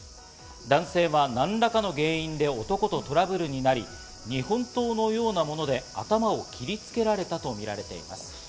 男性は何らかの原因で男とトラブルになり、日本刀のようなもので頭を切りつけられたとみられています。